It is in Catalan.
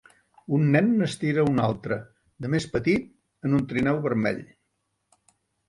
Un nen n'estira un altre de més petit en un trineu vermell.